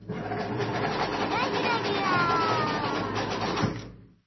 ゆらゆらゆら。